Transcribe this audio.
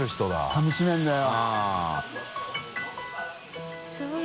かみしめるんだよ。